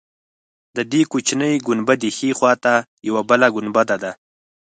د دې کوچنۍ ګنبدې ښی خوا ته یوه بله ګنبده ده.